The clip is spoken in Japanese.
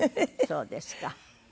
そうですか。